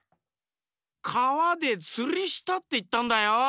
「かわでつりした」っていったんだよ！